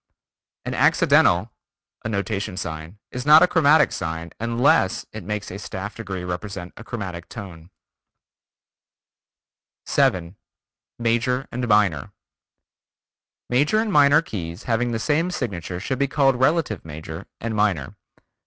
An accidental (a notation sign) is not a chromatic sign unless it makes a staff degree represent a chromatic tone. 7. Major; Minor: Major and Minor keys having the same signature should be called relative major and minor.